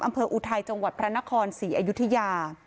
อำเภออุทัยจังหวัดพระนคร๔อยุธยา